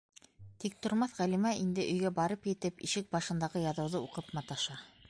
- Тиктормаҫ Ғәлимә инде өйгә барып етеп, ишек башындағы яҙыуҙы уҡып маташа.